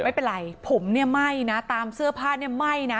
ไม่เป็นไรผมเนี่ยไหม้นะตามเสื้อผ้าเนี่ยไหม้นะ